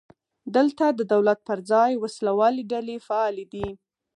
دلته د دولت پر ځای وسله والې ډلې فعالې دي.